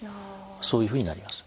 そういうふうになります。